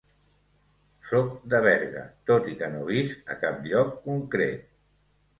Soc de Berga, tot i que no visc a cap lloc concret.